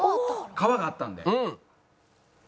川があったんで。